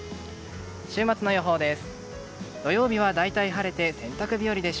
週末の予報です。